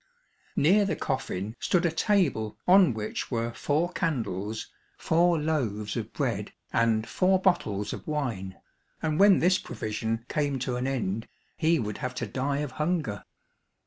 Near the coffin stood a table on which were four candles, four loaves of bread, and four bottles of wine, and when this provision came to an end, he would have to die of hunger.